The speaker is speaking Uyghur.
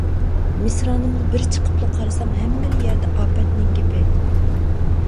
مىسرانىمغا بىر چىقىپلا قارىسام ھەممىلا يەردە ئاپەتنىڭ گېپى.